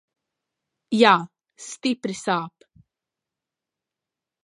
Jā, stipri sāp.